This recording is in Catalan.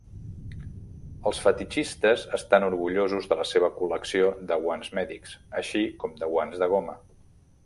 Els fetitxistes estan orgullosos de la seva col·lecció de guants mèdics, així com de guants de goma.